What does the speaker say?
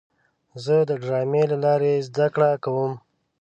زه د ډرامې له لارې زده کړه کوم.